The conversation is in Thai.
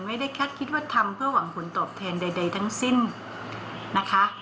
ไม่ได้แค่คิดว่าทำเพื่อหวังผลตอบแทนใดทั้งสิ้นนะคะ